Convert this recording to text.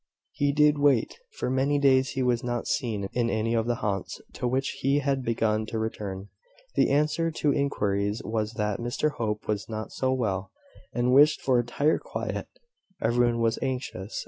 He did wait. For many days he was not seen in any of the haunts, to which he had begun to return. The answer to inquiries was that Mr Hope was not so well, and wished for entire quiet. Everyone was anxious.